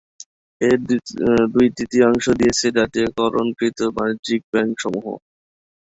এর দুই-তৃতীয়াংশই দিয়েছে জাতীয়করণকৃত বাণিজ্যিক ব্যাংকসমূহ।